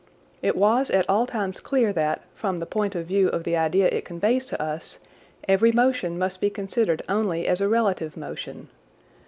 It was at all times clear that, from the point of view of the idea it conveys to us, every motion must be considered only as a relative motion.